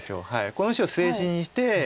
この石を捨て石にして。